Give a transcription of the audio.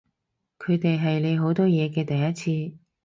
佢哋係你好多嘢嘅第一次